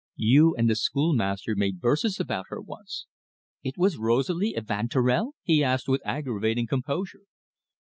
"You and the schoolmaster made verses about her once." "It was Rosalie Evanturel?" he asked, with aggravating composure.